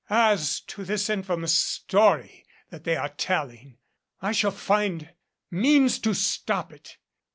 "As to this infamous story that they are telling, I shall find means to stop it.